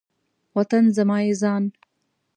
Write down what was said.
وطن زما یی ځان